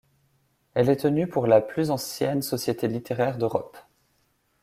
Elle est tenue pour la plus ancienne société littéraire d'Europe.